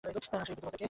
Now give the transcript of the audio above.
আর সেই বৃদ্ধ লোকটা কে?